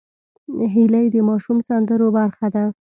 هیلۍ د ماشوم سندرو برخه ده